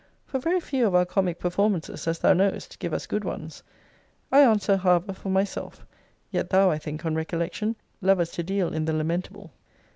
For very few of our comic performances, as thou knowest, give us good ones. I answer, however, for myself yet thou, I think, on recollection, lovest to deal in the lamentable.